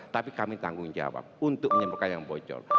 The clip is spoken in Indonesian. tapi kami tanggung jawab untuk menyembuhkan yang bocor